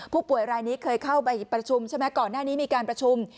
ผู้ป่วยรายนี้เคยเข้าไปประชุมใช่ไหมก่อนหน้านี้มีการประชุม